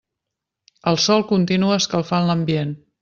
El sol continua escalfant ambient.